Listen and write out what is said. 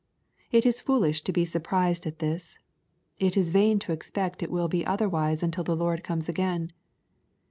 It is foolish to be surprised at this. It is vain to expect it will be otherwise until the Lord comes again.